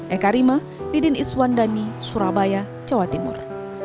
saya karima lidin iswandani surabaya jawa timur